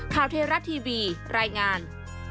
ข่าวเทราทีวีรายงาน